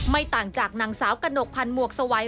ไม่ต่างจากหนังสาวกระหนกพันฮวงศวัย